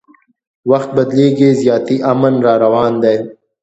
وخت بدلیږي زیاتي امن را روان دی